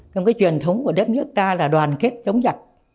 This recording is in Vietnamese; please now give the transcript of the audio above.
trong cái truyền thống của đất nước ta là đoàn kết chống giặc